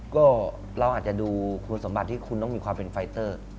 ก็เราอาจจะดูคุณสมบัติที่คุณต้องมีความเป็นไฟเตอร์